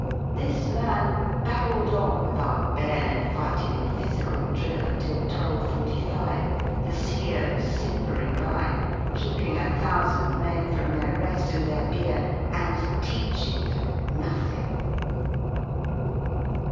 This man babbled on about bayonet fighting and physical drill until 1 2.45, the CO. simpering by, keeping a thousand 38 men from their re^ and their beer, and teaching them nothing.